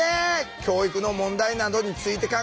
教育の問題などについて考えますよ。